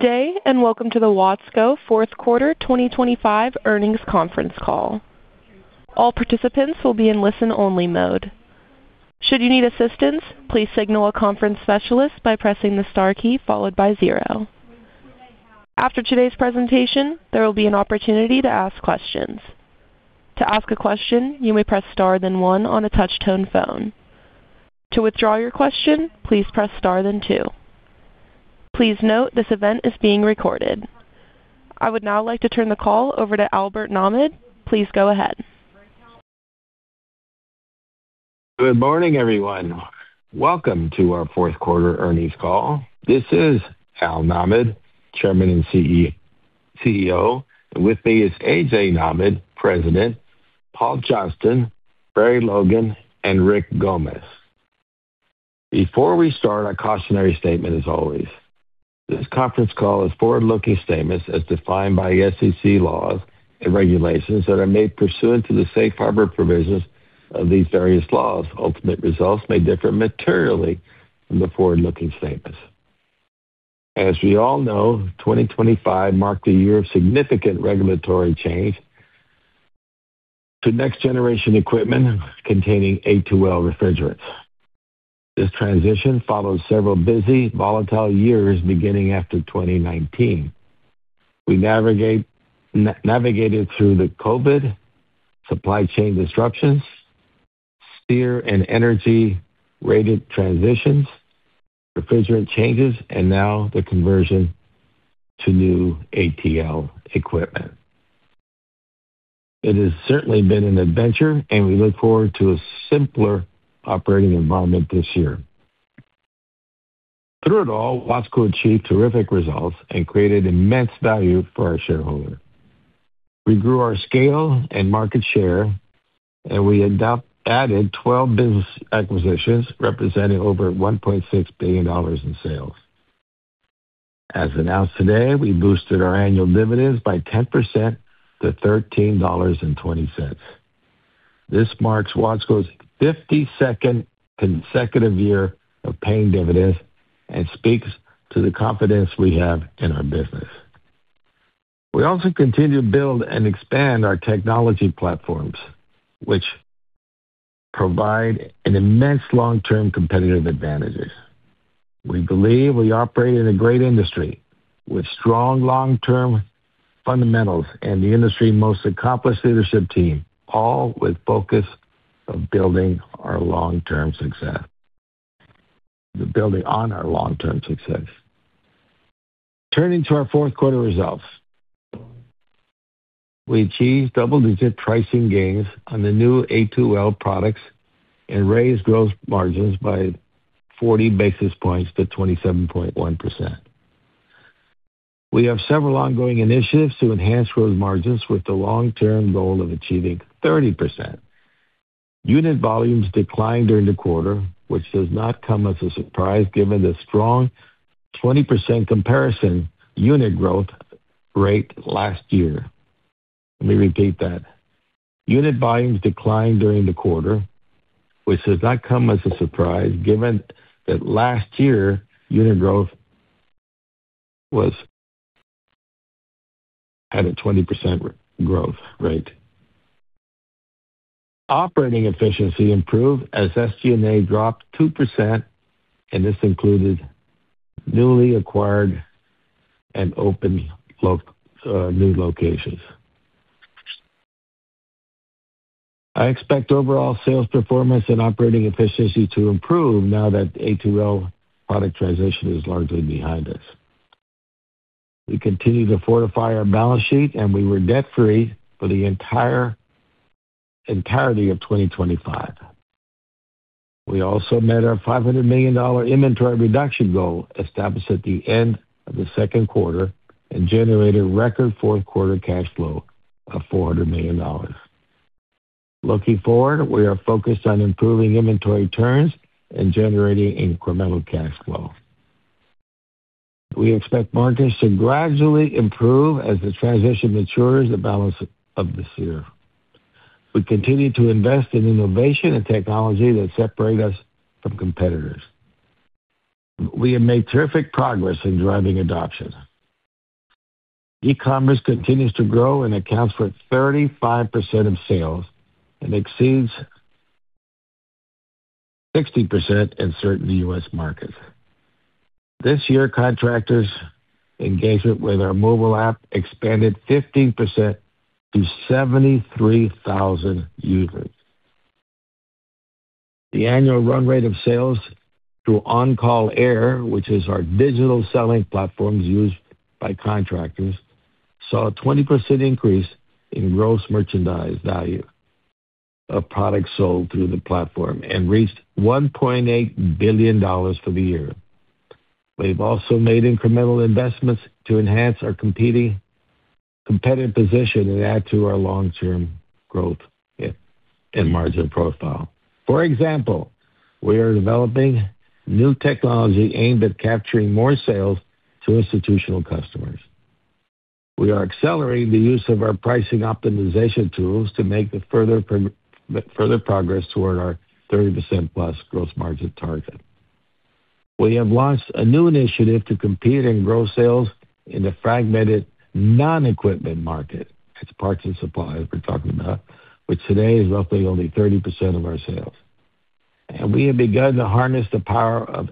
Good day, and welcome to the Watsco fourth quarter 2025 earnings conference call. All participants will be in listen-only mode. Should you need assistance, please signal a conference specialist by pressing the star key followed by zero. After today's presentation, there will be an opportunity to ask questions. To ask a question, you may press star, then one on a touch-tone phone. To withdraw your question, please press star then two. Please note, this event is being recorded. I would now like to turn the call over to Albert Nahmad. Please go ahead. Good morning, everyone. Welcome to our fourth quarter earnings call. This is Al Nahmad, Chairman and CEO, and with me is A.J. Nahmad, President, Paul Johnston, Barry Logan, and Rick Gomez. Before we start, a cautionary statement as always. This conference call is forward-looking statements as defined by SEC laws and regulations that are made pursuant to the safe harbor provisions of these various laws. Ultimate results may differ materially from the forward-looking statements. As we all know, 2025 marked a year of significant regulatory change to next-generation equipment containing A2L refrigerants. This transition follows several busy, volatile years beginning after 2019. We navigated through the COVID supply chain disruptions, SEER and energy-rated transitions, refrigerant changes, and now the conversion to new A2L equipment. It has certainly been an adventure, and we look forward to a simpler operating environment this year. Through it all, Watsco achieved terrific results and created immense value for our shareholders. We grew our scale and market share, and we added 12 business acquisitions, representing over $1.6 billion in sales. As announced today, we boosted our annual dividends by 10% to $13.20. This marks Watsco's 52nd consecutive year of paying dividends and speaks to the confidence we have in our business. We also continue to build and expand our technology platforms, which provide an immense long-term competitive advantages. We believe we operate in a great industry with strong long-term fundamentals and the industry's most accomplished leadership team, all with focus of building our long-term success - building on our long-term success. Turning to our fourth quarter results. We achieved double-digit pricing gains on the new A2L products and raised growth margins by 40 basis points to 27.1%. We have several ongoing initiatives to enhance growth margins with the long-term goal of achieving 30%. Unit volumes declined during the quarter, which does not come as a surprise, given the strong 20% comparison unit growth rate last year. Let me repeat that. Unit volumes declined during the quarter, which does not come as a surprise, given that last year unit growth was at a 20% growth rate. Operating efficiency improved as SG&A dropped 2%, and this included newly acquired and open locations. I expect overall sales performance and operating efficiency to improve now that A2L product transition is largely behind us. We continue to fortify our balance sheet, and we were debt-free for the entirety of 2025. We also met our $500 million inventory reduction goal established at the end of the second quarter and generated record fourth quarter cash flow of $400 million. Looking forward, we are focused on improving inventory turns and generating incremental cash flow. We expect margins to gradually improve as the transition matures the balance of this year. We continue to invest in innovation and technology that separate us from competitors. We have made terrific progress in driving adoption. e-commerce continues to grow and accounts for 35% of sales and exceeds 60% in certain U.S. markets. This year, contractors' engagement with our mobile app expanded 15% to 73,000 users. The annual run rate of sales through OnCall Air, which is our digital selling platforms used by contractors, saw a 20% increase in gross merchandise value of products sold through the platform and reached $1.8 billion for the year. We've also made incremental investments to enhance our competitive position and add to our long-term growth and margin profile. For example, we are developing new technology aimed at capturing more sales to institutional customers.... We are accelerating the use of our pricing optimization tools to make further progress toward our 30%+ gross margin target. We have launched a new initiative to compete and grow sales in the fragmented non-equipment market. It's parts and supplies we're talking about, which today is roughly only 30% of our sales. And we have begun to harness the power of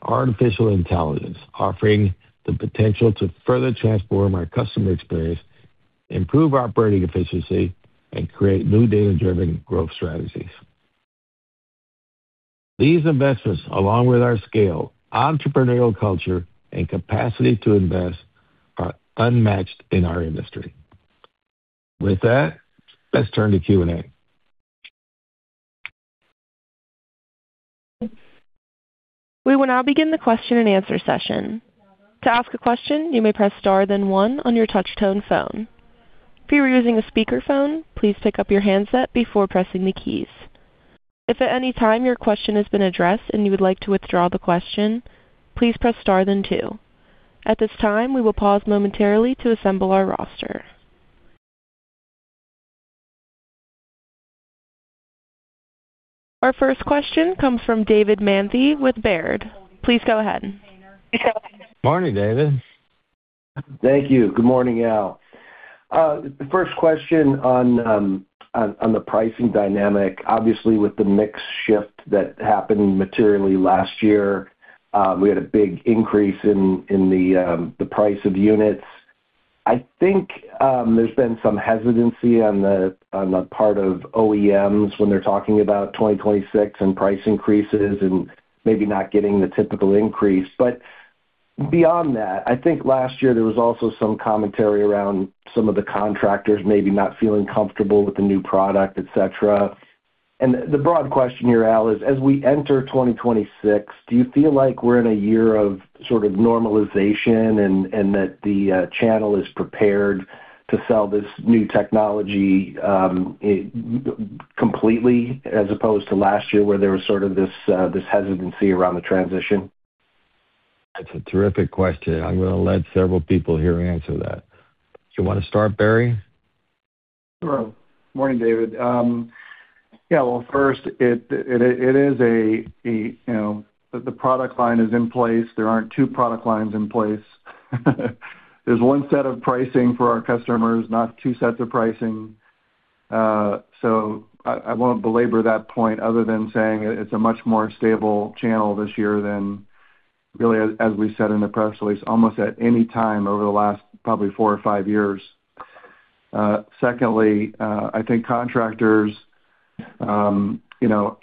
artificial intelligence, offering the potential to further transform our customer experience, improve operating efficiency, and create new data-driven growth strategies. These investments, along with our scale, entrepreneurial culture, and capacity to invest, are unmatched in our industry. With that, let's turn to Q&A. We will now begin the question-and-answer session. To ask a question, you may press star then one on your touch-tone phone. If you are using a speakerphone, please pick up your handset before pressing the keys. If at any time your question has been addressed and you would like to withdraw the question, please press star then two. At this time, we will pause momentarily to assemble our roster. Our first question comes from David Manthey with Baird. Please go ahead. Morning, David. Thank you. Good morning, Al. The first question on the pricing dynamic. Obviously, with the mix shift that happened materially last year, we had a big increase in the price of units. I think there's been some hesitancy on the part of OEMs when they're talking about 2026 and price increases and maybe not getting the typical increase. But beyond that, I think last year there was also some commentary around some of the contractors maybe not feeling comfortable with the new product, et cetera. The broad question here, Al, is: As we enter 2026, do you feel like we're in a year of sort of normalization and that the channel is prepared to sell this new technology completely, as opposed to last year, where there was sort of this hesitancy around the transition? That's a terrific question. I'm going to let several people here answer that. Do you want to start, Barry? Sure. Morning, David. First, it is a, you know, the product line is in place. There aren't two product lines in place. There's one set of pricing for our customers, not two sets of pricing. So I won't belabor that point other than saying it's a much more stable channel this year than really, we said in the press release, almost at any time over the last probably four or five years. Secondly, I think contractors, you know,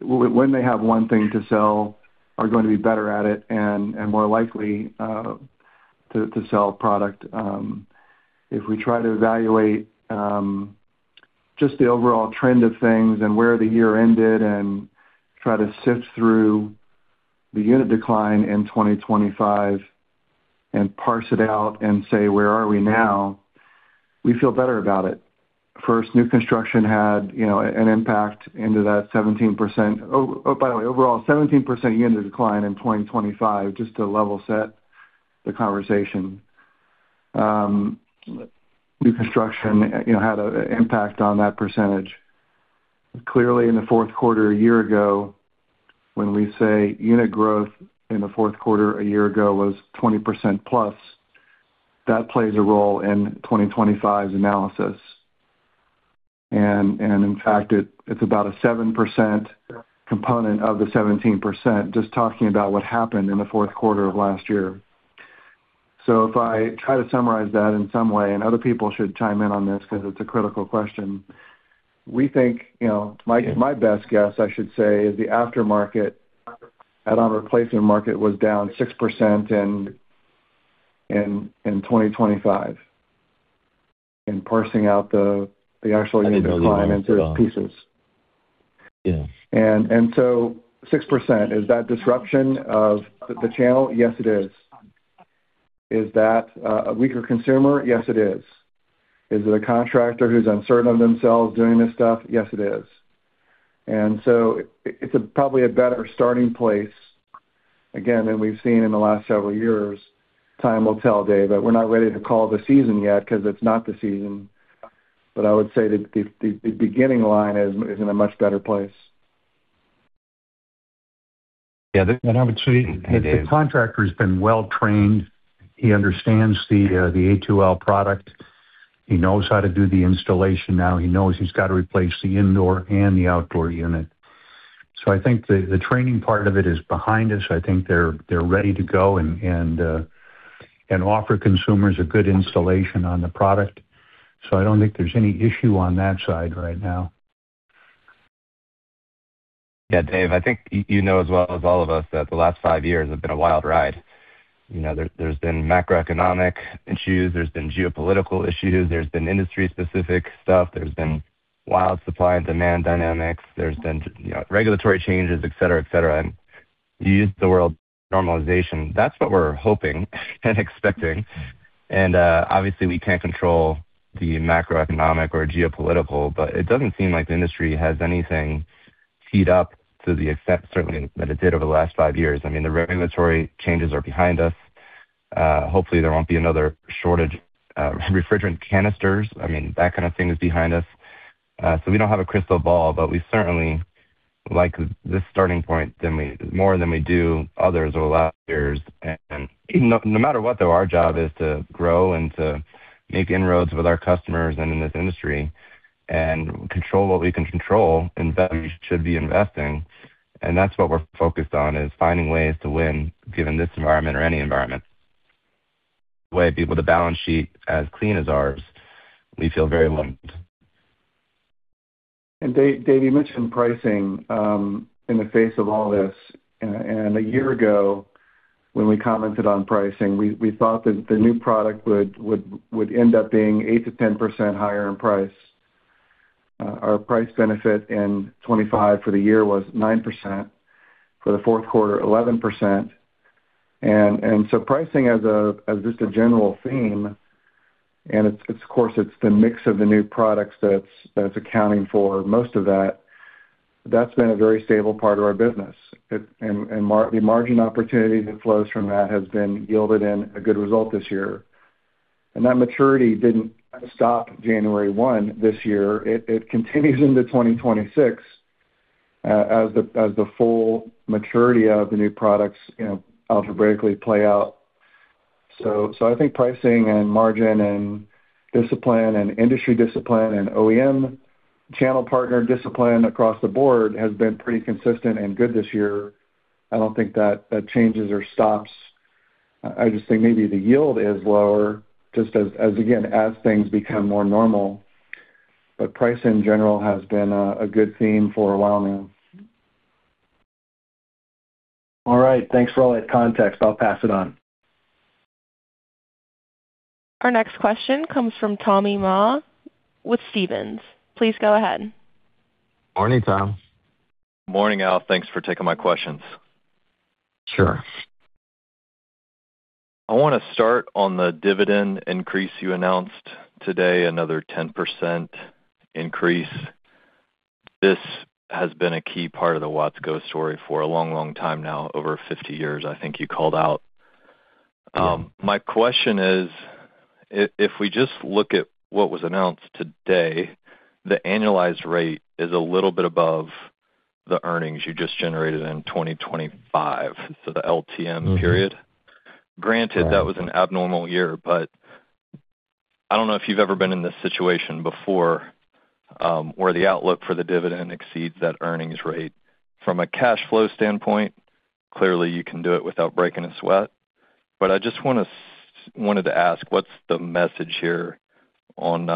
when they have one thing to sell, are going to be better at it and more likely to sell a product. If we try to evaluate, just the overall trend of things and where the year ended and try to sift through the unit decline in 2025 and parse it out and say, "Where are we now?" We feel better about it. First, new construction had, you know, an impact into that 17%. By the way, overall, 17% unit decline in 2025, just to level set the conversation. New construction, you know, had an impact on that percentage. Clearly, in the fourth quarter a year ago, when we say unit growth in the fourth quarter a year ago was 20%+, that plays a role in 2025's analysis. And in fact, it's about a 7% component of the 17%, just talking about what happened in the fourth quarter of last year. So if I try to summarize that in some way, and other people should chime in on this because it's a critical question, we think, you know, my best guess, I should say, is the aftermarket add-on replacement market was down 6% in 2025, in parsing out the actual unit decline into pieces. Yeah. And so 6%, is that disruption of the channel? Yes, it is. Is that a weaker consumer? Yes, it is. Is it a contractor who's uncertain of themselves doing this stuff? Yes, it is. And so it's probably a better starting place, again, than we've seen in the last several years. Time will tell, Dave, but we're not ready to call the season yet because it's not the season. But I would say that the beginning line is in a much better place. Yeah, and I would say- Hey, Dave. The contractor has been well trained. He understands the, the A2L product. He knows how to do the installation now. He knows he's got to replace the indoor and the outdoor unit. So I think the training part of it is behind us. I think they're ready to go and offer consumers a good installation on the product. So I don't think there's any issue on that side right now. Yeah, Dave, I think you know as well as all of us that the last five years have been a wild ride. You know, there's been macroeconomic issues, there's been geopolitical issues, there's been industry-specific stuff, there's been wild supply and demand dynamics, there's been, you know, regulatory changes, et cetera, et cetera. And you used the word normalization. That's what we're hoping and expecting. And, obviously, we can't control the macroeconomic or geopolitical, but it doesn't seem like the industry has anything.... heat up to the extent certainly that it did over the last five years. I mean, the regulatory changes are behind us. Hopefully, there won't be another shortage of refrigerant canisters. I mean, that kind of thing is behind us. So we don't have a crystal ball, but we certainly like this starting point more than we do others or the last years. And no, no matter what, though, our job is to grow and to make inroads with our customers and in this industry and control what we can control, and we should be investing. And that's what we're focused on, is finding ways to win, given this environment or any environment. With a balance sheet as clean as ours, we feel very limited. Dave, Dave, you mentioned pricing in the face of all this. A year ago, when we commented on pricing, we thought that the new product would end up being 8%-10% higher in price. Our price benefit in 2025 for the year was 9%. For the fourth quarter, 11%. So pricing as a just a general theme, and it's, of course, it's the mix of the new products that's accounting for most of that. That's been a very stable part of our business. It and the margin opportunity that flows from that has been yielded in a good result this year. That maturity didn't stop January one this year. It continues into 2026, as the full maturity of the new products, you know, algebraically play out. So I think pricing and margin and discipline and industry discipline and OEM channel partner discipline across the board has been pretty consistent and good this year. I don't think that changes or stops. I just think maybe the yield is lower, just as again, as things become more normal. But price in general has been a good theme for a while now. All right. Thanks for all that context. I'll pass it on. Our next question comes from Tommy Moll with Stephens. Please go ahead. Morning, Tom. Morning, Al. Thanks for taking my questions. Sure. I want to start on the dividend increase you announced today, another 10% increase. This has been a key part of the Watsco story for a long, long time now, over 50 years, I think you called out. My question is: if we just look at what was announced today, the annualized rate is a little bit above the earnings you just generated in 2025, so the LTM period. Mm-hmm. Granted, that was an abnormal year, but I don't know if you've ever been in this situation before, where the outlook for the dividend exceeds that earnings rate. From a cash flow standpoint, clearly you can do it without breaking a sweat. But I just wanted to ask, what's the message here on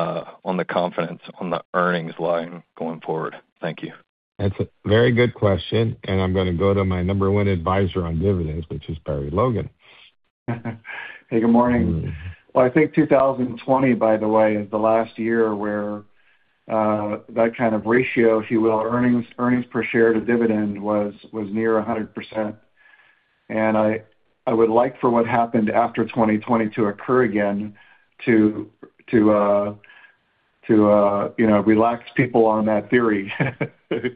the confidence on the earnings line going forward? Thank you. That's a very good question, and I'm going to go to my number one advisor on dividends, which is Barry Logan. Hey, good morning. Well, I think 2020, by the way, is the last year where that kind of ratio, if you will, earnings per share to dividend was near 100%. I would like for what happened after 2020 to occur again to relax people on that theory. Because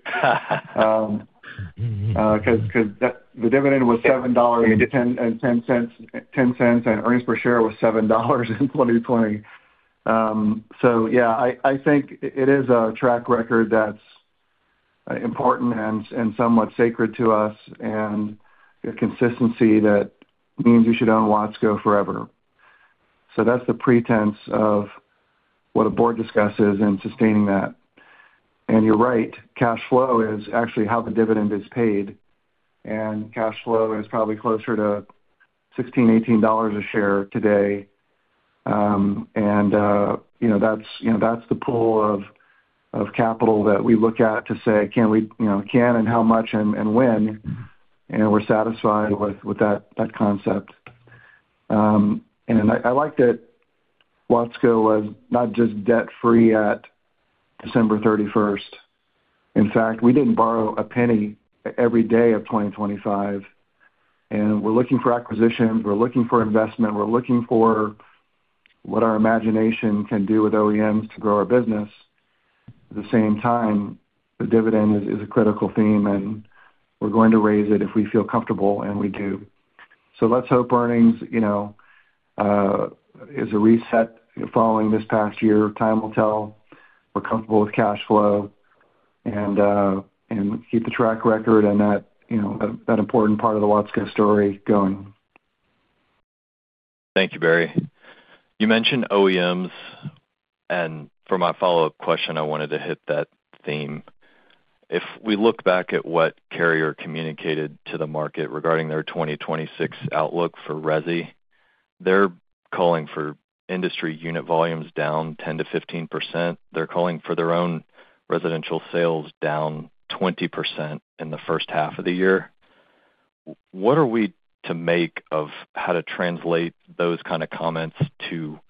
the dividend was $7.10, and earnings per share was $7 in 2020. So yeah, I think it is a track record that's important and somewhat sacred to us, and a consistency that means you should own Watsco forever. So that's the premise of what a board discusses in sustaining that. You're right, cash flow is actually how the dividend is paid, and cash flow is probably closer to $16-$18 a share today. You know, that's, you know, that's the pool of capital that we look at to say: Can we, you know, can and how much and when? And we're satisfied with that concept. And I like that Watsco was not just debt free at December 31. In fact, we didn't borrow a penny every day of 2025, and we're looking for acquisitions, we're looking for investment, we're looking for what our imagination can do with OEMs to grow our business. At the same time, the dividend is a critical theme, and we're going to raise it if we feel comfortable, and we do. So let's hope earnings, you know, is a reset following this past year. Time will tell. We're comfortable with cash flow and, and keep the track record and that, you know, that important part of the Watsco story going. Thank you, Barry. You mentioned OEMs, and for my follow-up question, I wanted to hit that theme. If we look back at what Carrier communicated to the market regarding their 2026 outlook for resi, they're calling for industry unit volumes down 10%-15%. They're calling for their own residential sales down 20% in the first half of the year. What are we to make of how to translate those kind of comments to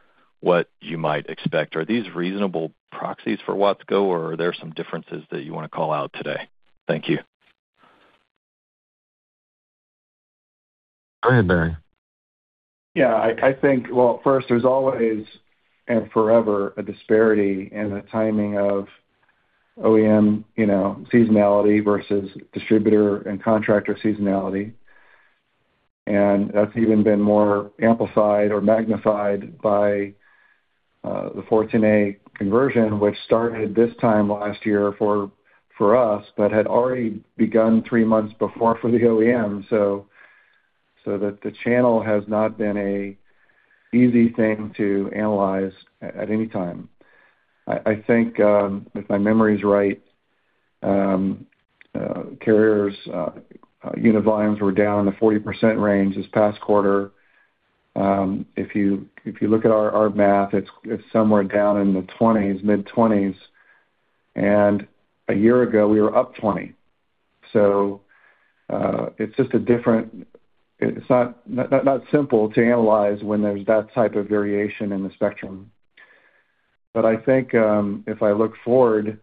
what you might expect? Are these reasonable proxies for Watsco, or are there some differences that you want to call out today? Thank you.... Go ahead, Barry. Yeah, I think, well, first, there's always and forever a disparity in the timing of OEM, you know, seasonality versus distributor and contractor seasonality. And that's even been more amplified or magnified by the R-410A conversion, which started this time last year for us, but had already begun three months before for the OEM. So that the channel has not been an easy thing to analyze at any time. I think, if my memory is right, Carrier's unit volumes were down in the 40% range this past quarter. If you look at our math, it's somewhere down in the 20s, mid-20s, and a year ago, we were up 20. So it's just a different. It's not simple to analyze when there's that type of variation in the spectrum. But I think, if I look forward,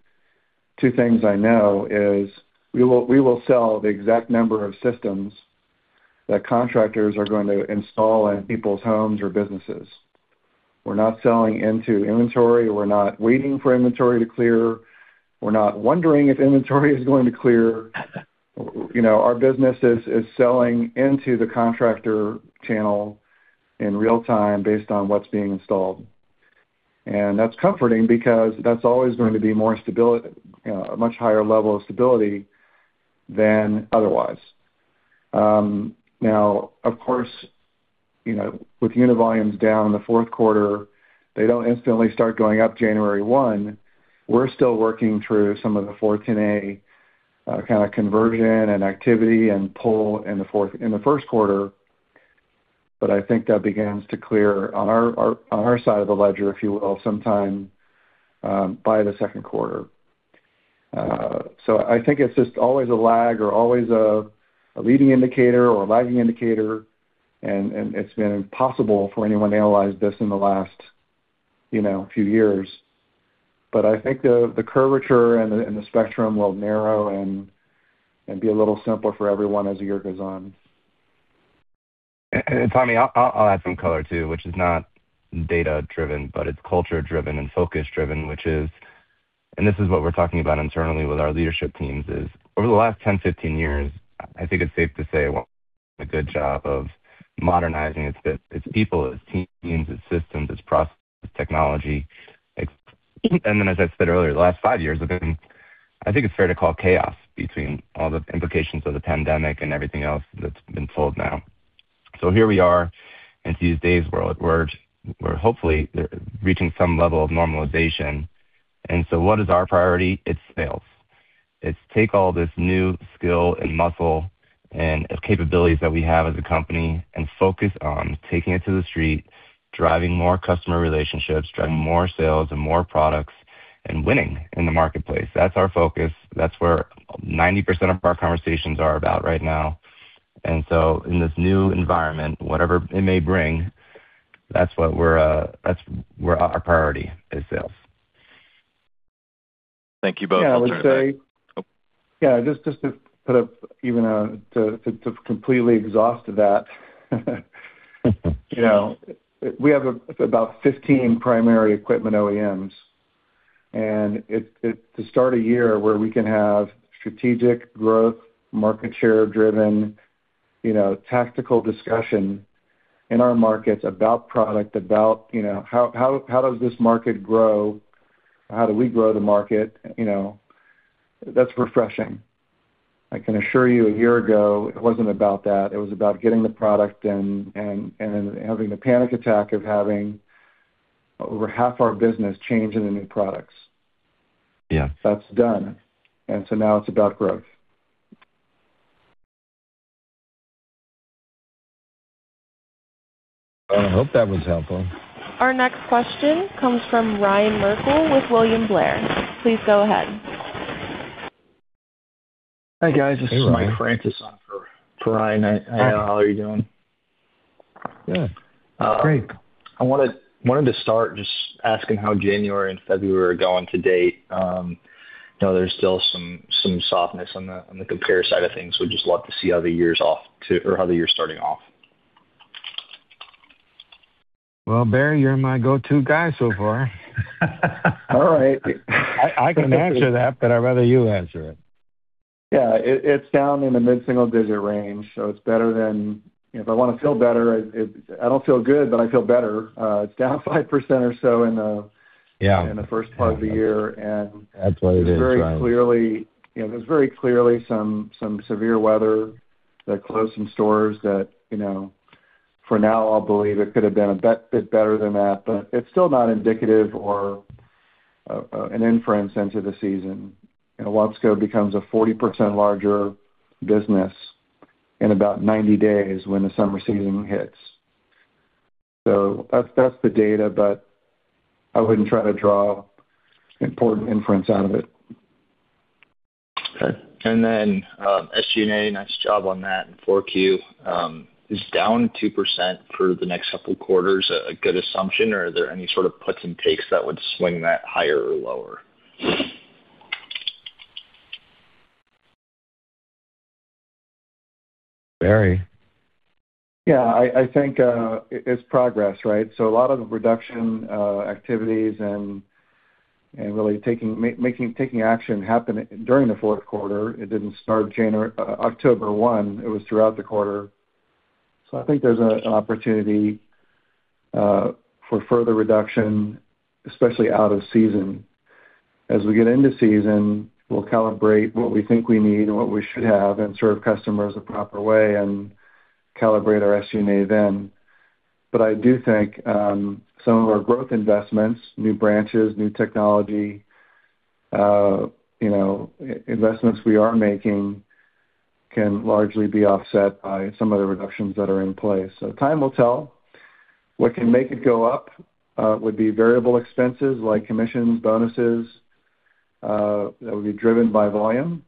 two things I know is we will, we will sell the exact number of systems that contractors are going to install in people's homes or businesses. We're not selling into inventory. We're not waiting for inventory to clear. We're not wondering if inventory is going to clear. You know, our business is, is selling into the contractor channel in real time based on what's being installed. And that's comforting because that's always going to be more stability, a much higher level of stability than otherwise. Now, of course, you know, with unit volumes down in the fourth quarter, they don't instantly start going up January one. We're still working through some of the 410A, kind of conversion and activity and pull in the fourth in the first quarter, but I think that begins to clear on our, our, on our side of the ledger, if you will, sometime by the second quarter. So I think it's just always a lag or always a, a leading indicator or a lagging indicator, and, and it's been impossible for anyone to analyze this in the last, you know, few years. But I think the, the curvature and the, and the spectrum will narrow and, and be a little simpler for everyone as the year goes on. And, Tommy, I'll add some color, too, which is not data-driven, but it's culture-driven and focus-driven, which is, and this is what we're talking about internally with our leadership teams, is over the last 10, 15 years, I think it's safe to say, a good job of modernizing its people, its teams, its systems, its processes, technology. And then, as I said earlier, the last five years have been, I think it's fair to call chaos between all the implications of the pandemic and everything else that's been sold now. So here we are in today's world, we're hopefully reaching some level of normalization. And so what is our priority? It's sales. It's take all this new skill and muscle and capabilities that we have as a company and focus on taking it to the street, driving more customer relationships, driving more sales and more products, and winning in the marketplace. That's our focus. That's where 90% of our conversations are about right now. In this new environment, whatever it may bring, that's what we're, that's where our priority is sales. Thank you both. Yeah. I would say- Oh. Yeah, just to put up even, to completely exhaust that, you know, we have about 15 primary equipment OEMs, and it, to start a year where we can have strategic growth, market share driven, you know, tactical discussion in our markets about product, about, you know, how does this market grow? How do we grow the market? You know, that's refreshing. I can assure you, a year ago, it wasn't about that. It was about getting the product and having the panic attack of having over half our business change in the new products. Yeah. That's done. And so now it's about growth. I hope that was helpful. Our next question comes from Ryan Merkel with William Blair. Please go ahead. Hi, guys. Hey, Ryan. This is Mike Francis on for Ryan. How are you doing? Good. Great. I wanted to start just asking how January and February are going to date. You know, there's still some softness on the compare side of things. We'd just love to see how the year's off to or how the year starting off. Well, Barry, you're my go-to guy so far. All right. I can answer that, but I'd rather you answer it. Yeah, it's down in the mid-single digit range, so it's better than... If I want to feel better, I don't feel good, but I feel better. It's down 5% or so in the- Yeah... in the first part of the year, and- That's what it is, right. Very clearly, you know, there's very clearly some severe weather that closed some stores that, you know, for now, I'll believe it could have been a bit better than that, but it's still not indicative or an inference into the season. And Watsco becomes a 40% larger business in about 90 days when the summer season hits. So that's the data, but I wouldn't try to draw important inference out of it. Okay. And then, SG&A, nice job on that in 4Q. Is down 2% for the next couple quarters a good assumption, or are there any sort of puts and takes that would swing that higher or lower?... Barry? Yeah, I think it's progress, right? So a lot of the reduction activities and really taking action happened during the fourth quarter. It didn't start January, October one, it was throughout the quarter. So I think there's an opportunity for further reduction, especially out of season. As we get into season, we'll calibrate what we think we need and what we should have, and serve customers the proper way and calibrate our SG&A then. But I do think some of our growth investments, new branches, new technology, you know, investments we are making can largely be offset by some of the reductions that are in place. So time will tell. What can make it go up would be variable expenses like commissions, bonuses that would be driven by volume.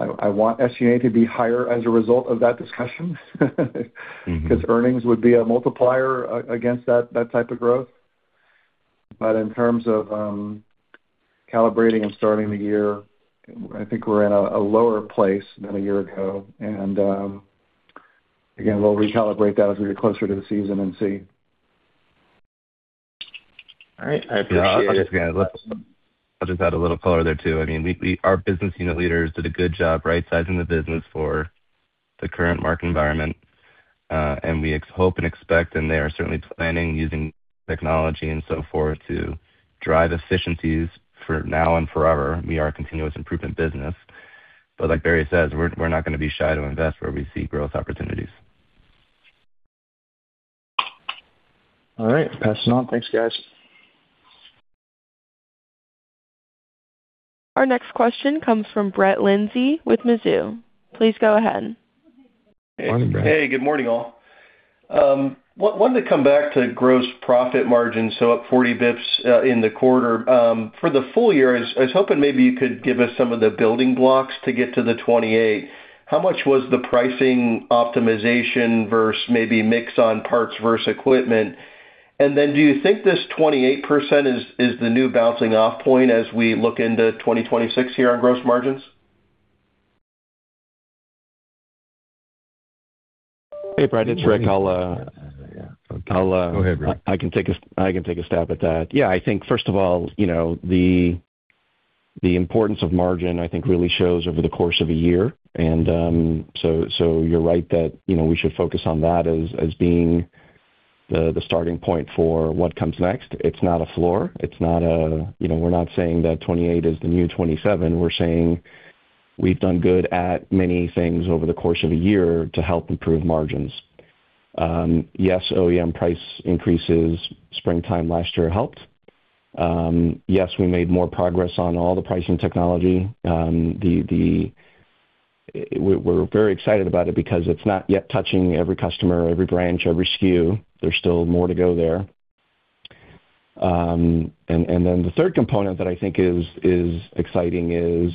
I want SG&A to be higher as a result of that discussion. Mm-hmm. Because earnings would be a multiplier against that type of growth. But in terms of calibrating and starting the year, I think we're in a lower place than a year ago. And again, we'll recalibrate that as we get closer to the season and see. All right. I appreciate it. I'll just add a little color there, too. I mean, our business unit leaders did a good job right-sizing the business for the current market environment. And we hope and expect, and they are certainly planning, using technology and so forth, to drive efficiencies for now and forever. We are a continuous improvement business, but like Barry says, we're not going to be shy to invest where we see growth opportunities. All right, passing on. Thanks, guys. Our next question comes from Brett Linzey with Mizuho. Please go ahead. Morning, Brett. Hey, good morning, all. Wanted to come back to gross profit margin, so up 40 basis points in the quarter. For the full year, I was hoping maybe you could give us some of the building blocks to get to the 28. How much was the pricing optimization versus maybe mix on parts versus equipment? And then do you think this 28% is the new bouncing off point as we look into 2026 here on gross margins? Hey, Brett, it's Rick. I'll— Go ahead, Rick. I can take a stab at that. Yeah, I think first of all, you know, the importance of margin, I think, really shows over the course of a year. And, so, you're right that, you know, we should focus on that as being the starting point for what comes next. It's not a floor, it's not, you know, we're not saying that 28 is the new 27. We're saying we've done good at many things over the course of a year to help improve margins. Yes, OEM price increases, springtime last year helped. Yes, we made more progress on all the pricing technology. We're very excited about it because it's not yet touching every customer, every branch, every SKU. There's still more to go there. And then the third component that I think is exciting is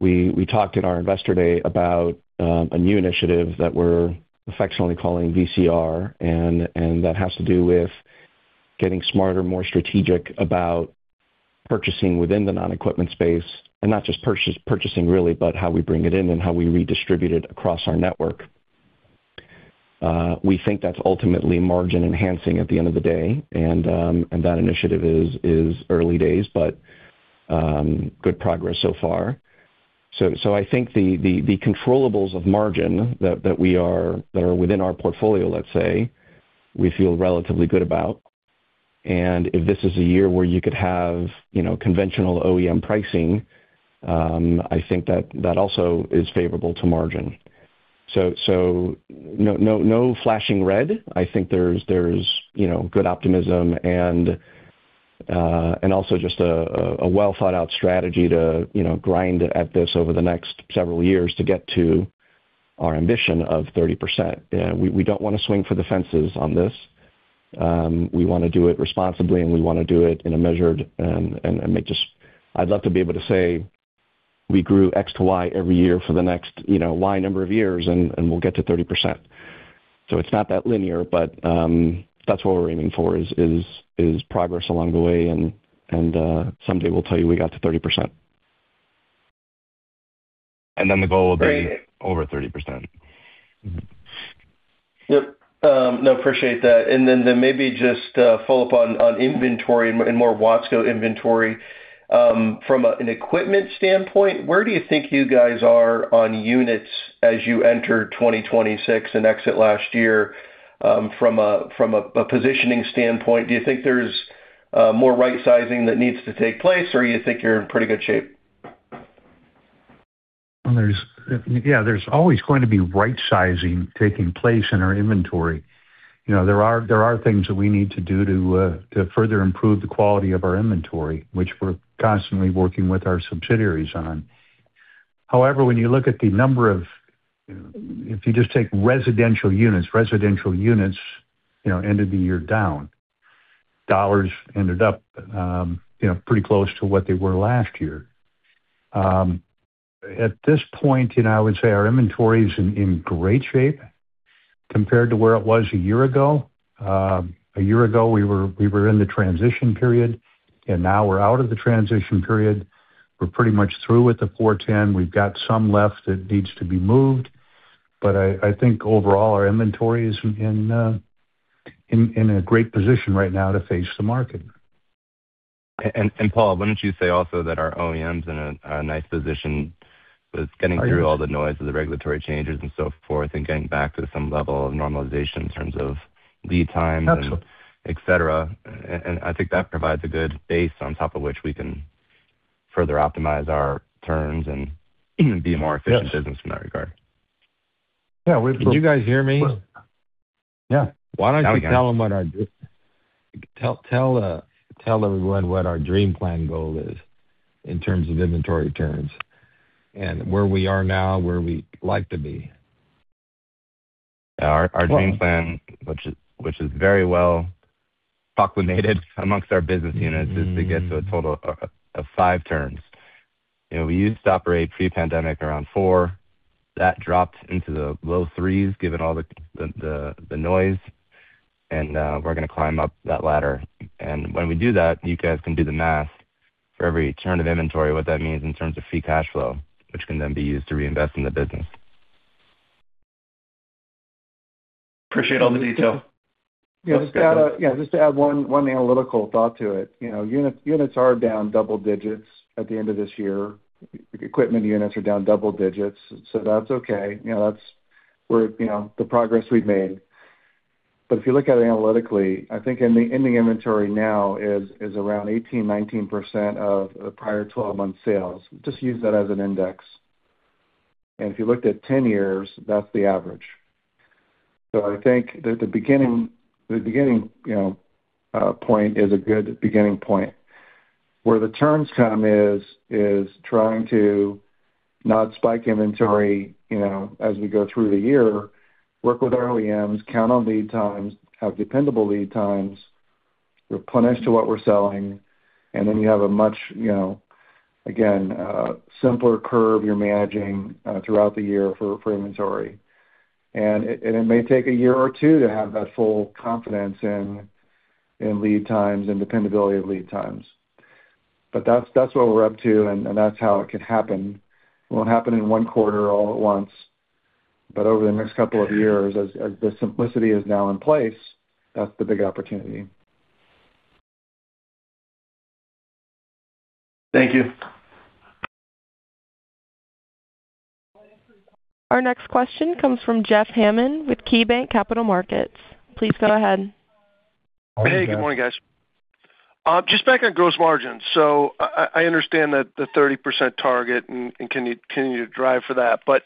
we talked at our investor day about a new initiative that we're affectionately calling VCR, and that has to do with getting smarter, more strategic about purchasing within the non-equipment space. And not just purchasing, really, but how we bring it in and how we redistribute it across our network. We think that's ultimately margin enhancing at the end of the day. And that initiative is early days, but good progress so far. So I think the controllables of margin that are within our portfolio, let's say, we feel relatively good about. And if this is a year where you could have, you know, conventional OEM pricing, I think that also is favorable to margin. So no, no, no flashing red. I think there's you know, good optimism and also just a well-thought-out strategy to you know, grind at this over the next several years to get to our ambition of 30%. We don't want to swing for the fences on this. We want to do it responsibly, and we want to do it in a measured and just... I'd love to be able to say, we grew X to Y every year for the next you know, Y number of years, and we'll get to 30%. So it's not that linear, but that's what we're aiming for, is progress along the way and someday we'll tell you we got to 30%. The goal will be over 30%. Yep. No, appreciate that. And then maybe just follow up on inventory and more Watsco inventory. From an equipment standpoint, where do you think you guys are on units as you enter 2026 and exit last year? From a positioning standpoint, do you think there's more right sizing that needs to take place, or you think you're in pretty good shape? Well, there's, yeah, there's always going to be right sizing taking place in our inventory. You know, there are, there are things that we need to do to, to further improve the quality of our inventory, which we're constantly working with our subsidiaries on. However, when you look at the number of - if you just take residential units, residential units, you know, ended the year down. Dollars ended up, you know, pretty close to what they were last year. At this point, you know, I would say our inventory is in, in great shape. ... compared to where it was a year ago. A year ago, we were, we were in the transition period, and now we're out of the transition period. We're pretty much through with the R-410A. We've got some left that needs to be moved, but I, I think overall, our inventory is in a great position right now to face the market. And Paul, wouldn't you say also that our OEM is in a nice position with getting through all the noise of the regulatory changes and so forth, and getting back to some level of normalization in terms of lead times? Absolutely. Et cetera. And I think that provides a good base on top of which we can further optimize our terms and be a more efficient business in that regard. Yeah. Can you guys hear me? Yeah. Why don't you tell everyone what our dream plan goal is in terms of inventory terms and where we are now, where we'd like to be? Our dream plan, which is very well populated among our business units, is to get to a total of five turns. You know, we used to operate pre-pandemic around four. That dropped into the low 3s, given all the noise, and we're gonna climb up that ladder. And when we do that, you guys can do the math for every turn of inventory, what that means in terms of free cash flow, which can then be used to reinvest in the business. Appreciate all the detail. Yeah. Just to add, yeah, just to add one analytical thought to it. You know, units, units are down double digits at the end of this year. Equipment units are down double digits, so that's okay. You know, that's where, you know, the progress we've made. But if you look at it analytically, I think ending, ending inventory now is, is around 18%-19% of the prior 12-month sales. Just use that as an index. And if you looked at 10 years, that's the average. So I think that the beginning, the beginning, you know, point is a good beginning point. Where the turns come is trying to not spike inventory, you know, as we go through the year, work with our OEMs, count on lead times, have dependable lead times, replenish to what we're selling, and then you have a much, you know, again, simpler curve you're managing throughout the year for inventory. And it may take a year or two to have that full confidence in lead times and dependability of lead times. But that's what we're up to, and that's how it can happen. It won't happen in one quarter all at once, but over the next couple of years, as the simplicity is now in place, that's the big opportunity. Thank you. Our next question comes from Jeff Hammond with KeyBanc Capital Markets. Please go ahead. Hey, good morning, guys. Just back on gross margins. So I understand that the 30% target and continue to drive for that, but,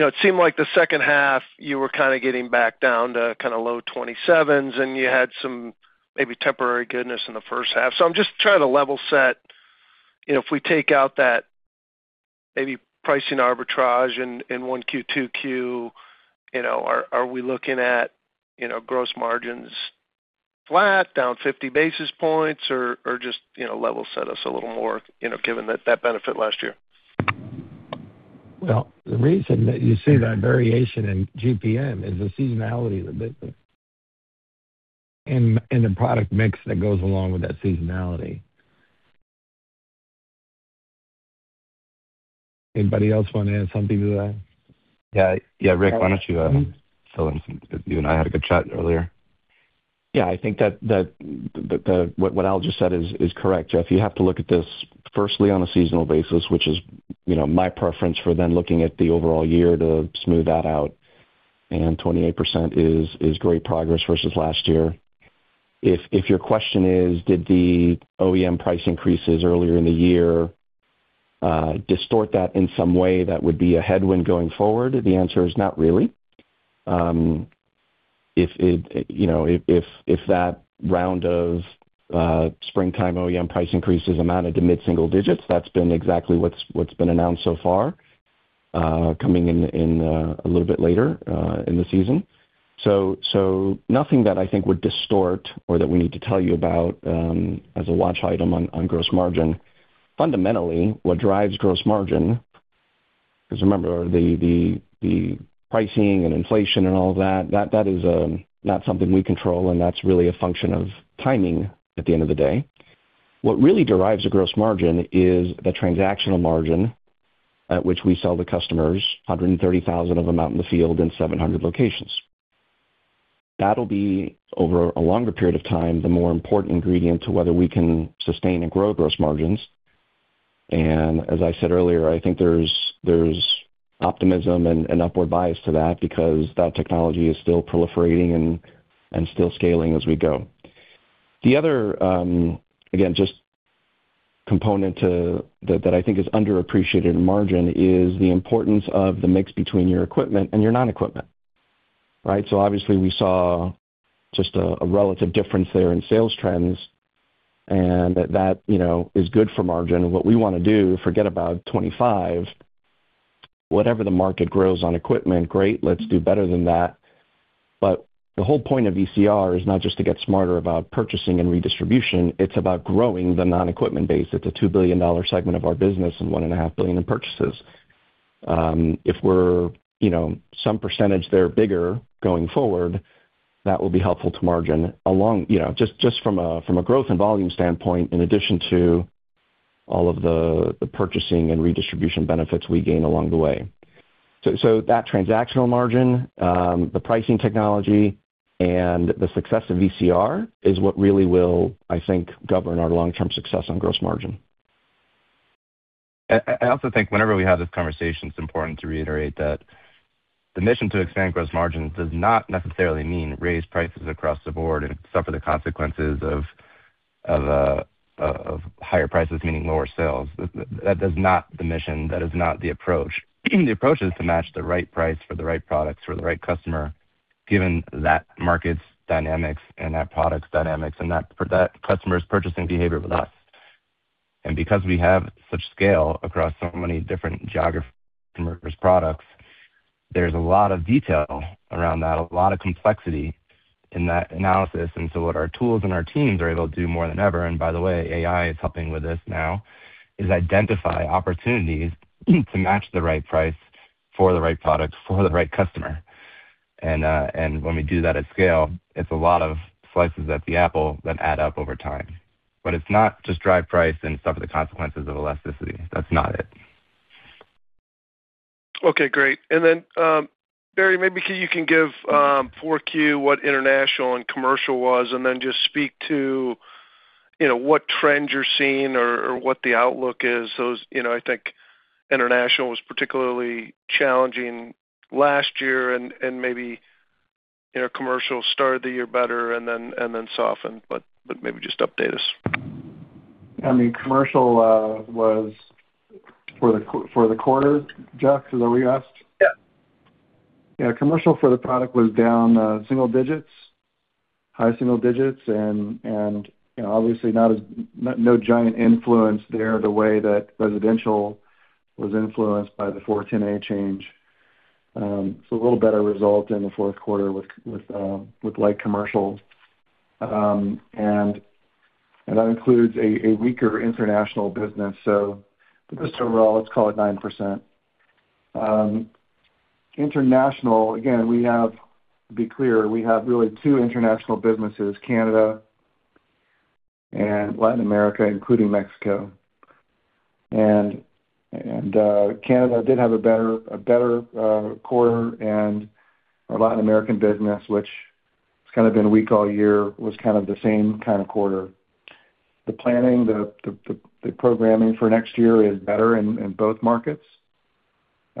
you know, it seemed like the second half, you were kind of getting back down to kind of low 27s, and you had some maybe temporary goodness in the first half. So I'm just trying to level set. You know, if we take out that maybe pricing arbitrage in 1Q, 2Q, you know, are we looking at, you know, gross margins flat, down 50 basis points, or just, you know, level set us a little more, you know, given that benefit last year? Well, the reason that you see that variation in GPM is the seasonality of the business and the product mix that goes along with that seasonality. Anybody else want to add something to that? Yeah, yeah, Rick, why don't you fill in some... You and I had a good chat earlier. Yeah, I think that what Al just said is correct, Jeff. You have to look at this firstly on a seasonal basis, which is, you know, my preference for then looking at the overall year to smooth that out, and 28% is great progress versus last year. If your question is, did the OEM price increases earlier in the year distort that in some way, that would be a headwind going forward? The answer is not really. If it, you know, if that round of springtime OEM price increases amounted to mid-single digits, that's been exactly what's been announced so far, coming in a little bit later in the season. So, nothing that I think would distort or that we need to tell you about as a watch item on gross margin. Fundamentally, what drives gross margin, because remember, the pricing and inflation and all that is not something we control, and that's really a function of timing at the end of the day. What really derives a gross margin is the transactional margin at which we sell to customers, 130,000 of them out in the field in 700 locations. That'll be, over a longer period of time, the more important ingredient to whether we can sustain and grow gross margins. And as I said earlier, I think there's optimism and an upward bias to that because that technology is still proliferating and still scaling as we go. The other, again, just component to... that I think is underappreciated in margin is the importance of the mix between your equipment and your non-equipment, right? So obviously, we saw just a relative difference there in sales trends, and that, you know, is good for margin. What we want to do, forget about 25. Whatever the market grows on equipment, great, let's do better than that. But. The whole point of VCR is not just to get smarter about purchasing and redistribution. It's about growing the non-equipment base. It's a $2 billion segment of our business and $1.5 billion in purchases. If we're, you know, some percentage there bigger going forward, that will be helpful to margin along, you know, just from a growth and volume standpoint, in addition to all of the purchasing and redistribution benefits we gain along the way. So, so that transactional margin, the pricing technology and the success of VCR is what really will, I think, govern our long-term success on gross margin. I also think whenever we have this conversation, it's important to reiterate that the mission to expand gross margin does not necessarily mean raise prices across the board and suffer the consequences of higher prices, meaning lower sales. That is not the mission. That is not the approach. The approach is to match the right price for the right products, for the right customer, given that market's dynamics and that product's dynamics and that, for that customer's purchasing behavior with us. And because we have such scale across so many different geographies and products, there's a lot of detail around that, a lot of complexity in that analysis. And so what our tools and our teams are able to do more than ever, and by the way, AI is helping with this now, is identify opportunities to match the right price for the right product, for the right customer. And when we do that at scale, it's a lot of slices at the apple that add up over time. But it's not just drive price and suffer the consequences of elasticity. That's not it. Okay, great. And then, Barry, maybe can you give 4Q, what international and commercial was, and then just speak to, you know, what trends you're seeing or what the outlook is. Those, you know, I think international was particularly challenging last year, and maybe, you know, commercial started the year better and then softened, but maybe just update us. I mean, commercial was for the quarter, Jack, is that what you asked? Yeah. Yeah, commercial for the product was down single digits, high single digits, and, you know, obviously not as—no giant influence there, the way that residential was influenced by the R-410A change. So a little better result in the fourth quarter with light commercial. And that includes a weaker international business. So just overall, let's call it 9%. International, again, we have, to be clear, we have really two international businesses, Canada and Latin America, including Mexico. And Canada did have a better quarter, and our Latin American business, which has kind of been weak all year, was kind of the same kind of quarter. The planning, the programming for next year is better in both markets.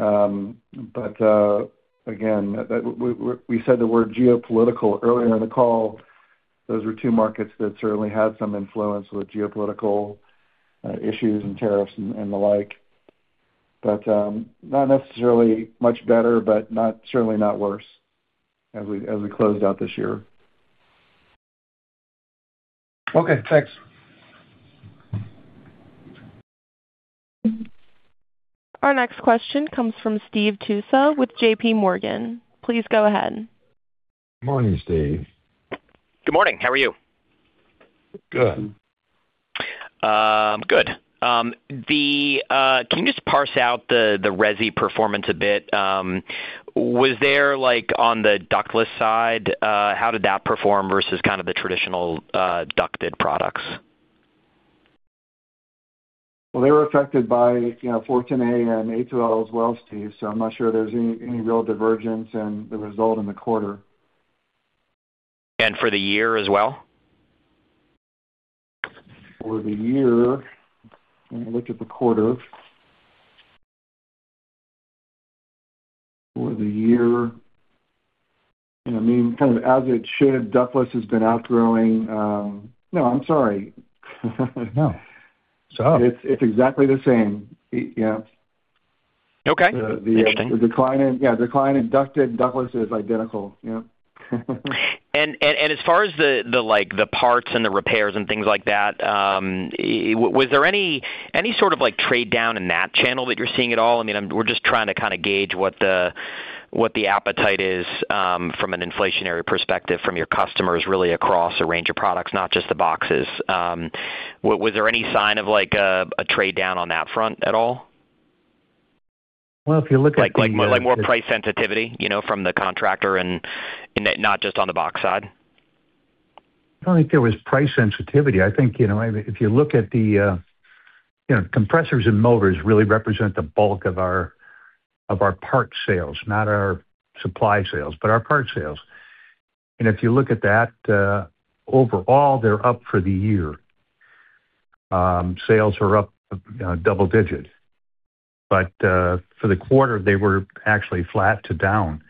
But, again, that we said the word geopolitical earlier in the call. Those were two markets that certainly had some influence with geopolitical issues and tariffs and the like. But, not necessarily much better, but not, certainly not worse as we closed out this year. Okay, thanks. Our next question comes from Steve Tusa with JP Morgan. Please go ahead. Morning, Steve. Good morning. How are you? Good. Good. Can you just parse out the resi performance a bit? Was there, like, on the ductless side, how did that perform versus kind of the traditional ducted products? Well, they were affected by, you know, R-410A and R-12 as well, Steve, so I'm not sure there's any, any real divergence in the result in the quarter. For the year as well? For the year, let me look at the quarter. For the year, I mean, kind of as it should, ductless has been outgrowing... No, I'm sorry. No. So- It's exactly the same. Yeah. Okay. Interesting. The decline in ducted, ductless is identical, yeah. And as far as, like, the parts and the repairs and things like that, was there any sort of, like, trade down in that channel that you're seeing at all? I mean, I'm -- we're just trying to kind of gauge what the appetite is from an inflationary perspective from your customers, really across a range of products, not just the boxes. Was there any sign of, like, a trade down on that front at all? Well, if you look at- Like more price sensitivity, you know, from the contractor and not just on the box side. I don't think there was price sensitivity. I think, you know, if you look at the, you know, compressors and motors really represent the bulk of our, of our parts sales, not our supply sales, but our parts sales. And if you look at that, overall, they're up for the year. Sales are up, double digits, but, for the quarter, they were actually flat to down.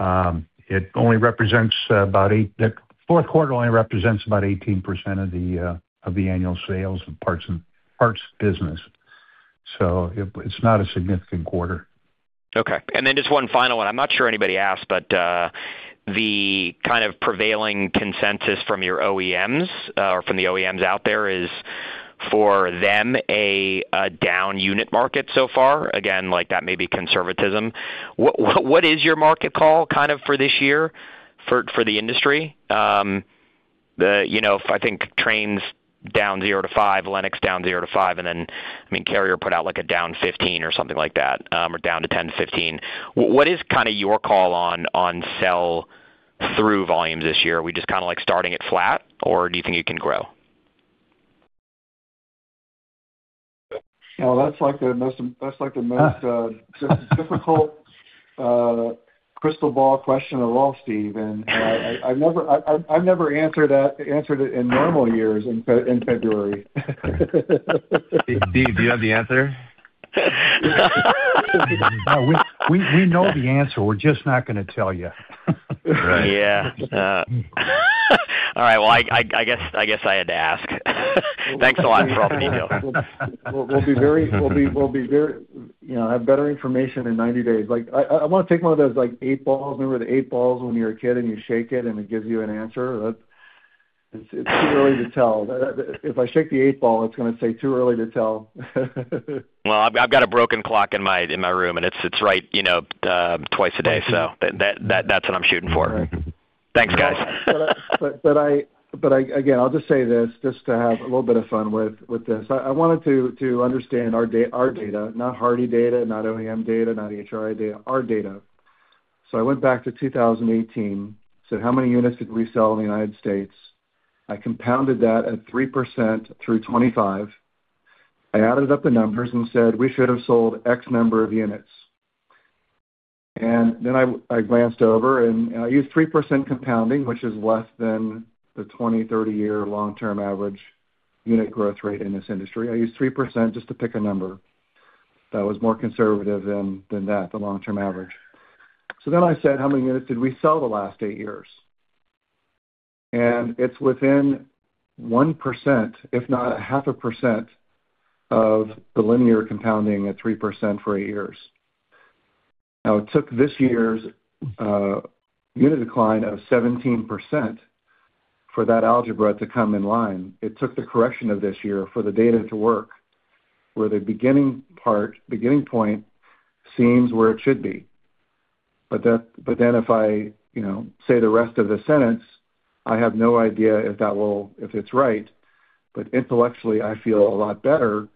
It only represents about eight... The fourth quarter only represents about 18% of the, of the annual sales parts and parts business. So it's not a significant quarter. Okay, and then just one final one. I'm not sure anybody asked, but the kind of prevailing consensus from your OEMs or from the OEMs out there is for them a down unit market so far. Again, like, that may be conservatism. What is your market call kind of for this year for the industry? You know, I think Trane's down 0-5, Lennox down 0-5, and then, I mean, Carrier put out, like, a down 15 or something like that, or down 10-15. What is kind of your call on sell-through volume this year? Are we just kind of, like, starting it flat, or do you think it can grow? Well, that's like the most difficult crystal ball question of all, Steve. I've never answered it in normal years in February. Steve, do you have the answer? We know the answer. We're just not going to tell you. Yeah. All right. Well, I guess I had to ask. Thanks a lot for all the details. We'll be very, you know, have better information in 90 days. Like, I want to take one of those, like, eight balls. Remember the eight balls when you're a kid and you shake it, and it gives you an answer? That's, it's too early to tell. If I shake the eight ball, it's going to say, "Too early to tell. Well, I've got a broken clock in my room, and it's right, you know, twice a day. So that's what I'm shooting for. Right. Thanks, guys. But again, I'll just say this, just to have a little bit of fun with this. I wanted to understand our data, not HARDI data, not OEM data, not AHRI data, our data. So I went back to 2018. So how many units did we sell in the United States? I compounded that at 3% through 2025. I added up the numbers and said, "We should have sold X number of units." And then I glanced over, and I used 3% compounding, which is less than the 20- to 30-year long-term average unit growth rate in this industry. I used 3% just to pick a number that was more conservative than that, the long-term average. So then I said: How many units did we sell the last eight years? It's within 1%, if not 0.5%, of the linear compounding at 3% for eight years. Now, it took this year's unit decline of 17% for that algebra to come in line. It took the correction of this year for the data to work, where the beginning part, beginning point, seems where it should be. But then if I, you know, say the rest of the sentence, I have no idea if that will, if it's right. But intellectually, I feel a lot better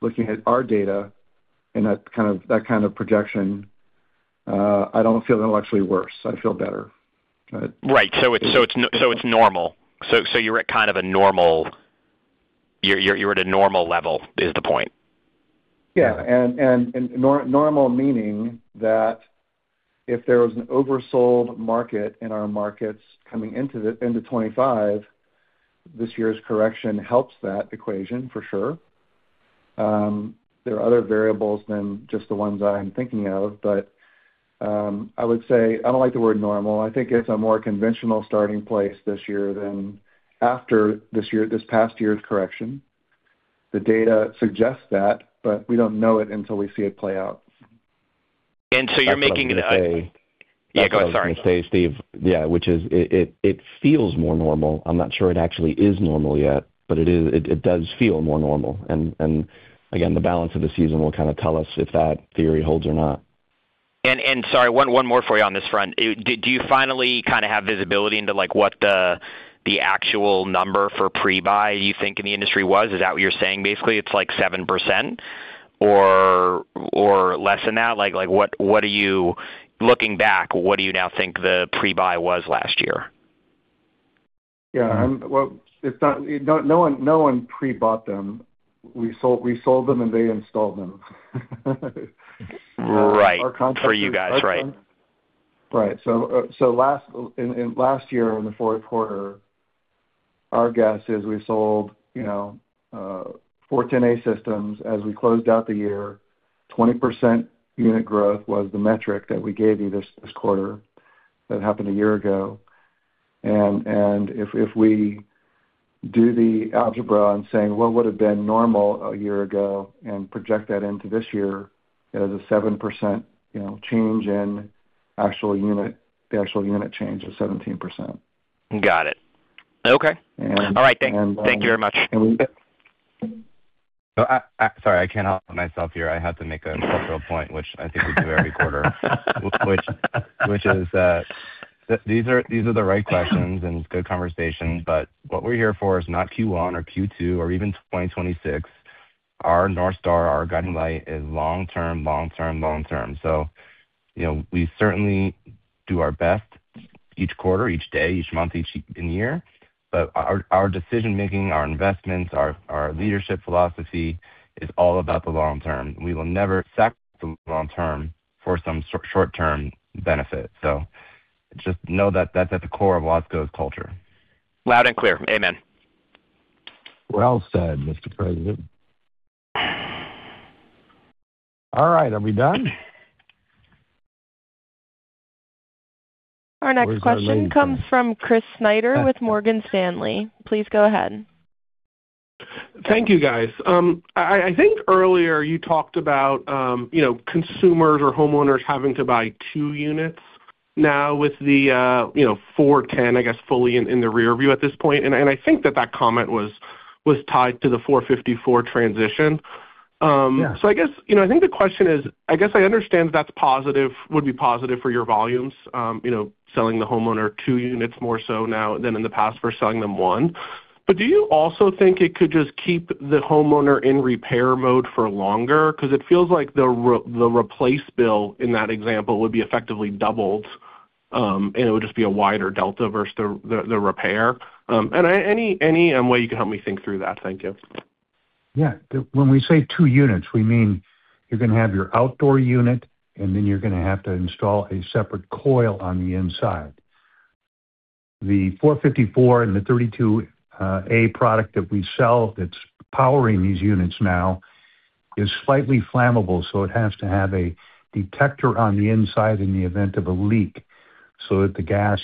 looking at our data and that kind of projection. I don't feel intellectually worse. I feel better. Right. So it's normal. So you're at kind of a normal... You're at a normal level, is the point. Yeah. Normal meaning that if there was an oversold market in our markets coming into 2025, this year's correction helps that equation for sure. There are other variables than just the ones I'm thinking of, but I would say I don't like the word normal. I think it's a more conventional starting place this year than after this year, this past year's correction. The data suggests that, but we don't know it until we see it play out. You're making it a- That's what I was going to say. Yeah, go ahead. Sorry. That's what I was going to say, Steve. Yeah, which is it. It feels more normal. I'm not sure it actually is normal yet, but it is—it does feel more normal. And again, the balance of the season will kind of tell us if that theory holds or not. Sorry, one more for you on this front. Do you finally kind of have visibility into, like, what the actual number for pre-buy you think in the industry was? Is that what you're saying? Basically, it's like 7% or less than that? Like, what are you... Looking back, what do you now think the pre-buy was last year? Yeah, well, it's not... No one, no one pre-bought them. We sold, we sold them, and they installed them. Right. Our customers- For you guys, right. Right. So last year, in the fourth quarter, our guess is we sold, you know, R-410A systems as we closed out the year. 20% unit growth was the metric that we gave you this quarter that happened a year ago. And if we do the algebra on saying what would have been normal a year ago and project that into this year, it is a 7%, you know, change in actual unit. The actual unit change is 17%. Got it. Okay. And- All right. Thank you very much. So, sorry, I can't help myself here. I have to make a cultural point, which I think we do every quarter. Which is, these are the right questions, and it's good conversation, but what we're here for is not Q1 or Q2 or even 2026. Our North Star, our guiding light, is long term, long term, long term. So, you know, we certainly do our best each quarter, each day, each month, each year, but our decision-making, our investments, our leadership philosophy is all about the long term. We will never sack the long term for some short-term benefit. So just know that that's at the core of Watsco's culture. Loud and clear. Amen. Well said, Mr. President. All right. Are we done? Our next question comes from Chris Snyder with Morgan Stanley. Please go ahead. Thank you, guys. I think earlier you talked about, you know, consumers or homeowners having to buy two units? Now with the, you know, 410, I guess, fully in the rear view at this point, and I think that comment was tied to the 454 transition. Yeah. So I guess, you know, I think the question is, I guess I understand that's positive, would be positive for your volumes, you know, selling the homeowner two units more so now than in the past for selling them one. But do you also think it could just keep the homeowner in repair mode for longer? Because it feels like the replace bill in that example would be effectively doubled, and it would just be a wider delta versus the repair. And any way you can help me think through that? Thank you. Yeah. When we say two units, we mean you're going to have your outdoor unit, and then you're going to have to install a separate coil on the inside. The 454 and the 32, a product that we sell that's powering these units now is slightly flammable, so it has to have a detector on the inside in the event of a leak, so that the gas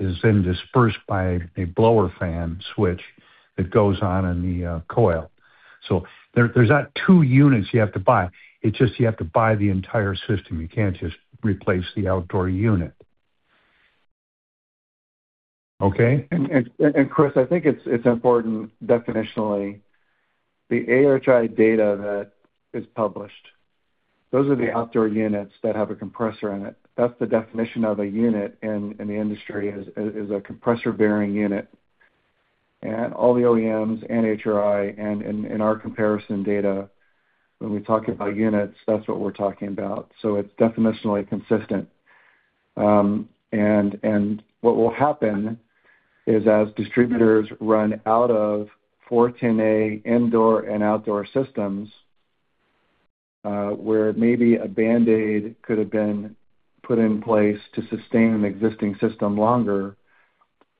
is then dispersed by a blower fan switch that goes on in the coil. So, there's not two units you have to buy. It's just you have to buy the entire system. You can't just replace the outdoor unit. Okay? Chris, I think it's important definitionally, the AHRI data that is published, those are the outdoor units that have a compressor in it. That's the definition of a unit in the industry, is a compressor-bearing unit. And all the OEMs and AHRI and in our comparison data, when we talk about units, that's what we're talking about. So it's definitionally consistent. And what will happen is, as distributors run out of R-410A indoor and outdoor systems, where maybe a Band-Aid could have been put in place to sustain an existing system longer,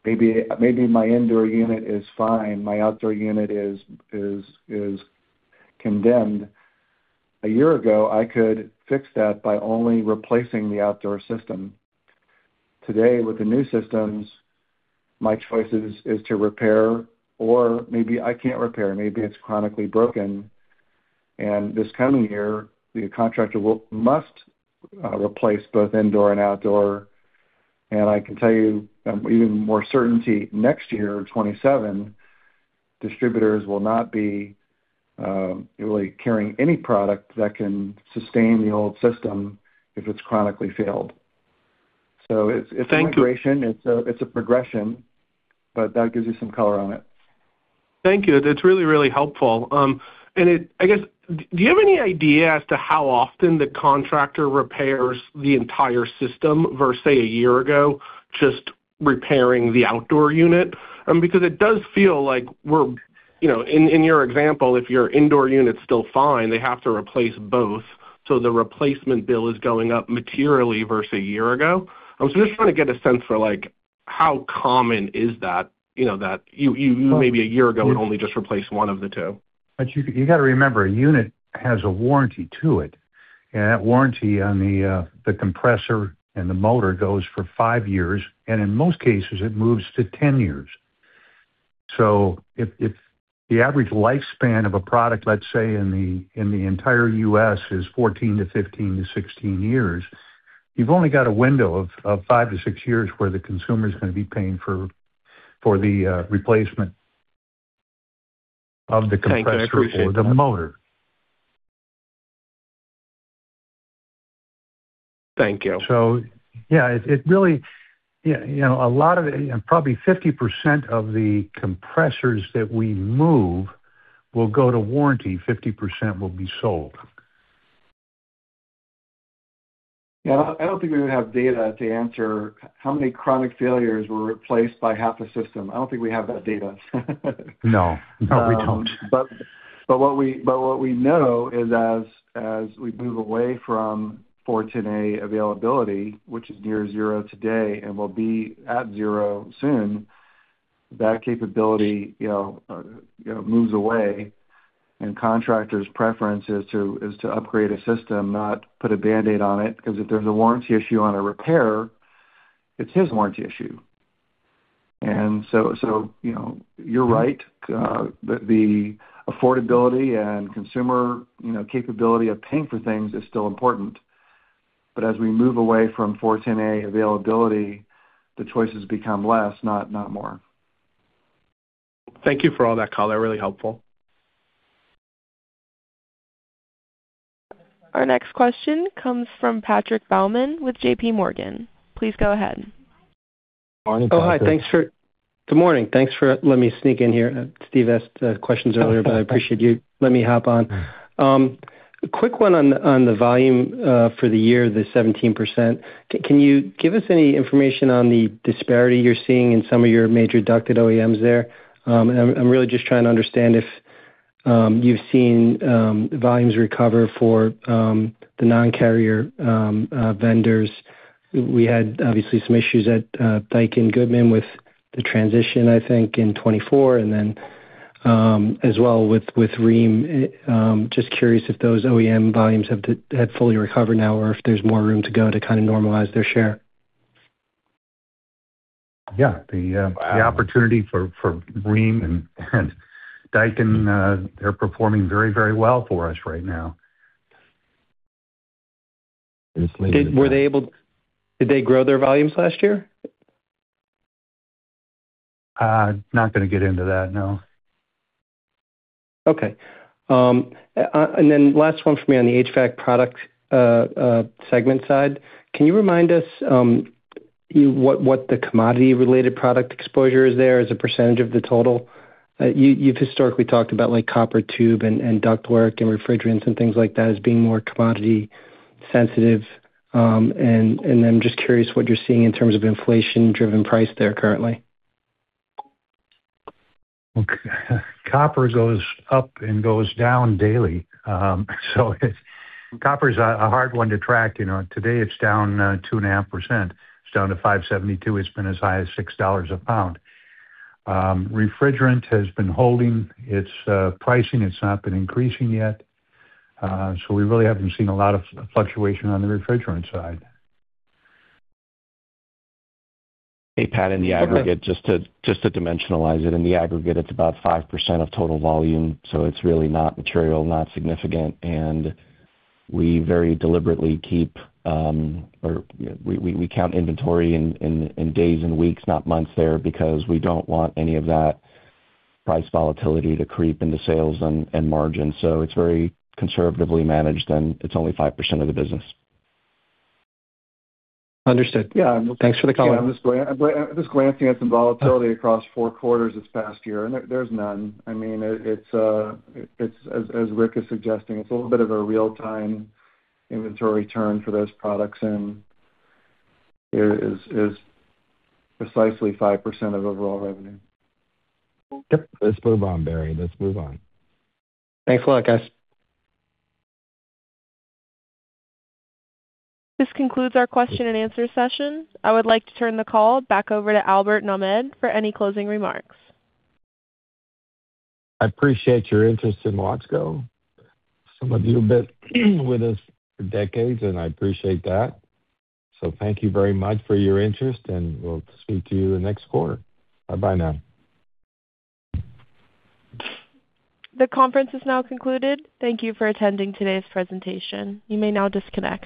maybe my indoor unit is fine, my outdoor unit is condemned. A year ago, I could fix that by only replacing the outdoor system. Today, with the new systems, my choices is to repair or maybe I can't repair, maybe it's chronically broken, and this coming year, the contractor will... must, replace both indoor and outdoor. And I can tell you even more certainty, next year, 2027, distributors will not be really carrying any product that can sustain the old system if it's chronically failed. So it's- Thank you. It's a migration, it's a progression, but that gives you some color on it. Thank you. That's really, really helpful. I guess, do you have any idea as to how often the contractor repairs the entire system versus, say, a year ago, just repairing the outdoor unit? Because it does feel like we're, you know, in your example, if your indoor unit's still fine, they have to replace both. So the replacement bill is going up materially versus a year ago. I was just trying to get a sense for, like, how common is that, you know, that you maybe a year ago, would only just replace one of the two. But you, you got to remember, a unit has a warranty to it, and that warranty on the, the compressor and the motor goes for five years, and in most cases, it moves to 10 years. So if, if the average lifespan of a product, let's say, in the, in the entire U.S. is 14 to 15 to 16 years, you've only got a window of, of five to six years where the consumer is going to be paying for, for the, replacement of the compressor- Thank you. I appreciate that or the motor. Thank you. So yeah, it really, you know, a lot of it, and probably 50% of the compressors that we move will go to warranty, 50% will be sold. Yeah, I don't think we would have data to answer how many chronic failures were replaced by half the system. I don't think we have that data. No, no, we don't. But what we know is as we move away from R-410A availability, which is near zero today and will be at zero soon, that capability, you know, moves away. And contractors' preference is to upgrade a system, not put a Band-Aid on it, because if there's a warranty issue on a repair, it's his warranty issue. And so, you know, you're right, that the affordability and consumer, you know, capability of paying for things is still important. But as we move away from R-410A availability, the choices become less, not more. Thank you for all that color. Really helpful. Our next question comes from Patrick Baumann with JP Morgan. Please go ahead. Morning, Patrick. Oh, hi. Good morning. Thanks for letting me sneak in here. Steve asked questions earlier, but I appreciate you letting me hop on. A quick one on the volume for the year, the 17%. Can you give us any information on the disparity you're seeing in some of your major ducted OEMs there? I'm really just trying to understand if you've seen volumes recover for the non-Carrier vendors. We had obviously some issues at Daikin and Goodman with the transition, I think, in 2024 and then, as well with Rheem. Just curious if those OEM volumes have fully recovered now or if there's more room to go to kind of normalize their share.... Yeah, the opportunity for Rheem and Daikin, they're performing very, very well for us right now. Did they grow their volumes last year? Not gonna get into that, no. Okay. And then last one for me on the HVAC product segment side. Can you remind us what the commodity-related product exposure is there as a percentage of the total? You've historically talked about, like, copper tube and ductwork and refrigerants and things like that as being more commodity sensitive. And I'm just curious what you're seeing in terms of inflation-driven price there currently. Okay. Copper goes up and goes down daily. So copper's a hard one to track, you know. Today it's down 2.5%. It's down to $5.72. It's been as high as $6 a pound. Refrigerant has been holding its pricing. It's not been increasing yet. So we really haven't seen a lot of fluctuation on the refrigerant side. Hey, Pat, in the aggregate, just to dimensionalize it, it's about 5% of total volume, so it's really not material, not significant. And we very deliberately keep, or we count inventory in days and weeks, not months there, because we don't want any of that price volatility to creep into sales and margins. So it's very conservatively managed, and it's only 5% of the business. Understood. Yeah. Thanks for the color. Yeah, I'm just glancing at some volatility across four quarters this past year, and there's none. I mean, it's as Rick is suggesting, it's a little bit of a real-time inventory turn for those products, and it is precisely 5% of overall revenue. Yep. Let's move on, Barry. Let's move on. Thanks a lot, guys. This concludes our question and answer session. I would like to turn the call back over to Albert Nahmad for any closing remarks. I appreciate your interest in Watsco. Some of you have been with us for decades, and I appreciate that. So thank you very much for your interest, and we'll speak to you the next quarter. Bye-bye now. The conference is now concluded. Thank you for attending today's presentation. You may now disconnect.